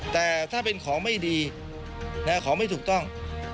แต่ถ้าเป็นของไม่ดีของไม่ถูกต้อง